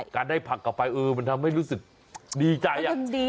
การได้ผักกลับไปเออมันทำให้รู้สึกดีใจ